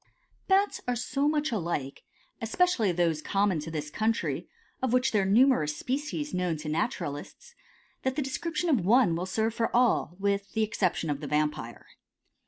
Bats are so much alike, especially those common to this country, of which there are numerous species known to naturalists, that the description of one will serve for all, with the exception of the Vampire.